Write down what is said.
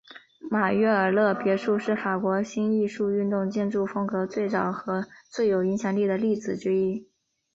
马约尔勒别墅是法国新艺术运动建筑风格最早和最有影响力的例子之一。